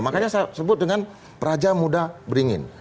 makanya saya sebut dengan peraja muda beringin